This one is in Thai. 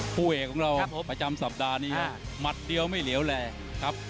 ผู้เอกของเราพบประจำสัปดาห์นี้หมัดเดียวไม่เหลวแลครับ